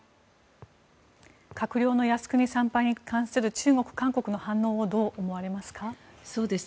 閣僚の靖国参拝に関する中国、韓国の反応をどう思われますか？